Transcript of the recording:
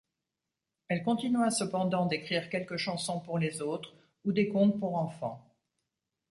Elle continua cependant d'écrire quelques chansons pour les autres ou des contes pour enfants.